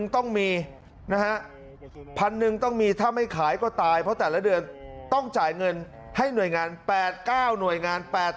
ต้องมีนะฮะพันหนึ่งต้องมีถ้าไม่ขายก็ตายเพราะแต่ละเดือนต้องจ่ายเงินให้หน่วยงาน๘๙หน่วยงาน